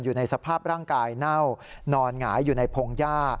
อยู่ในสภาพร่างกายเน่านอนหงายอยู่ในพงหญ้า